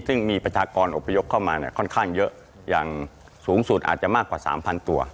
ซึ่งมีประชากรอบพยพเข้ามาเนี่ยค่อนข้างเยอะอย่างสูงสุดอาจจะมากกว่า๓๐๐ตัว